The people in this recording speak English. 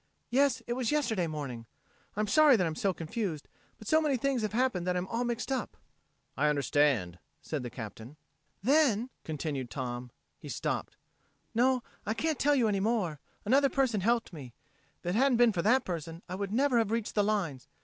"Yes, it was yesterday morning. I'm sorry that I'm so confused, but so many things have happened that I'm all mixed up." "I understand," said the Captain. "Then...." continued Tom. He stopped. "No, I can't tell you any more. Another person helped me. If it hadn't been for that person I would never have reached the lines.